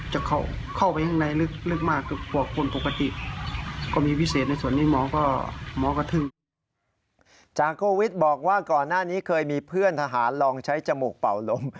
จากโควิดบอกว่าก่อนหน้านี้เคยมีเพื่อนทหารลองใช้จมูกเป่าลม